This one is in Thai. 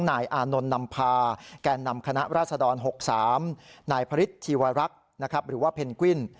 นายอานนท์นำพาแก่นำคณะราษฎร๖๓นายพระฤทธิวรักษ์หรือว่าเพนกวิน